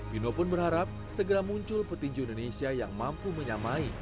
bino pun berharap segera muncul petinju indonesia yang mampu menyamai